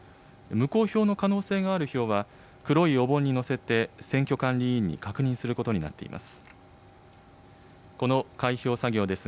無効票の可能性がある票は、黒いお盆に載せて、選挙管理委員に確認することになっています。